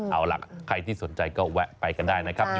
เอาล่ะใครที่สนใจก็แวะไปกันได้นะครับ